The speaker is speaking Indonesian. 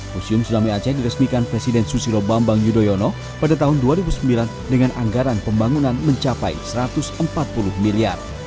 museum tsunami aceh diresmikan presiden susilo bambang yudhoyono pada tahun dua ribu sembilan dengan anggaran pembangunan mencapai rp satu ratus empat puluh miliar